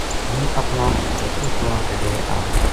ہوں اپنا سسُو سوہراں کے ڈیرے آگئی